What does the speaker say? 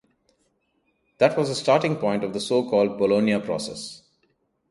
That was the starting point of the so-called "Bologna process".